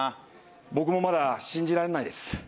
僕もまだ信じられないです。